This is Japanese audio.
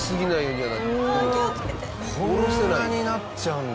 こんなになっちゃうんだ。